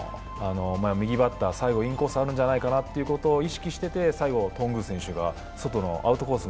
右バッター、最後、インコースあるんじゃないかなと見てて最後、頓宮選手が外のアウトコース